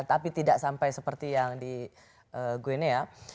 tapi tidak sampai seperti yang di guinea